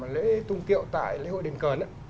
lễ tung kiệu tại lễ hội đền cờn